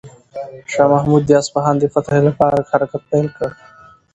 شاه محمود د اصفهان د فتح لپاره حرکت پیل کړ.